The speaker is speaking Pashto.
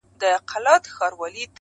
په شاهدۍ به نور هیڅکله آسمان و نه نیسم